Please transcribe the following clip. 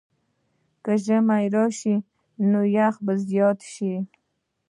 که ژمی راشي، نو یخ به زیات شي.